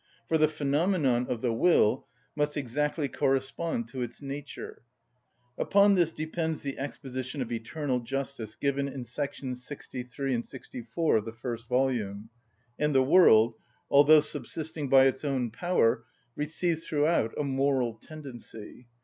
For the phenomenon of the will must exactly correspond to its nature. Upon this depends the exposition of eternal justice given in §§ 63 and 64 of the first volume, and the world, although subsisting by its own power, receives throughout a moral tendency.